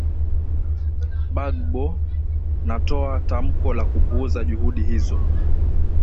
bagbo natoa tamko la kupuuza juhudi hizo